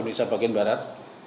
di indonesia bagian barat